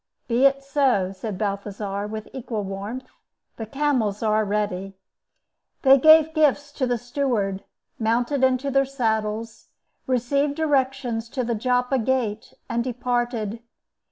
"Be it so," said Balthasar, with equal warmth. "The camels are ready." They gave gifts to the steward, mounted into their saddles, received directions to the Joppa Gate, and departed.